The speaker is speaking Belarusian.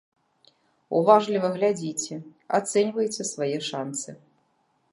Уважліва глядзіце, ацэньвайце свае шанцы.